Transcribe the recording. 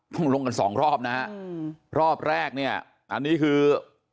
ลงกันสองรอบนะฮะรอบแรกเนี่ยอันนี้คือ